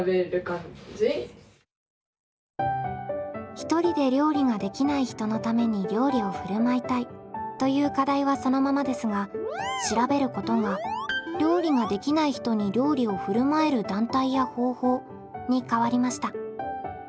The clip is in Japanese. ひとりで料理ができない人のために料理をふるまいたいという課題はそのままですが「調べること」が料理ができない人に料理をふるまえる団体や方法に変わりました。